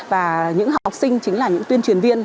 và những học sinh chính là những tuyên truyền viên